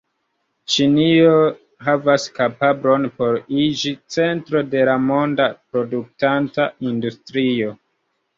Ĉinio havas kapablon por iĝi centro de la monda produktanta industrio.